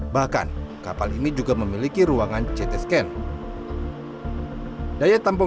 bahkan kapal ini juga memiliki ruangan ct scan